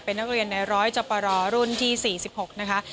เป็นนักเรียนในร้อยจบรอรุ่นที่๔๖นะคะ